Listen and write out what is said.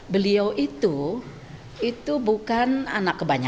beliau itu itu bukan anak kebanyakan